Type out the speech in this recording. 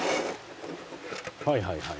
はいはいはい。